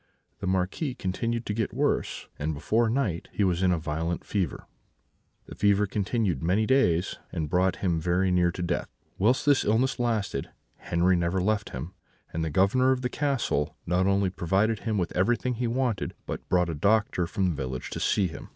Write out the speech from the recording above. The Marquis continued to get worse, and before night he was in a violent fever. This fever continued many days, and brought him very near to death. Whilst this illness lasted Henri never left him, and the Governor of the castle not only provided him with everything he wanted, but brought a doctor from the village to see him.